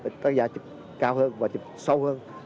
thì tác giả chụp cao hơn và chụp sâu hơn